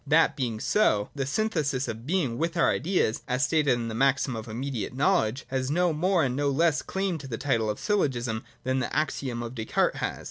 That being so, the synthesis of being with our ideas, as stated in the maxim of immediate knowledge, has no more and no less claim to the title of syllogism than the axiom of Descartes has.